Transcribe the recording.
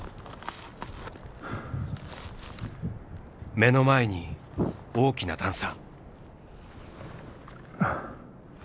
目の前に大きな段差。